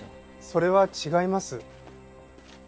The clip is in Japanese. それは違います。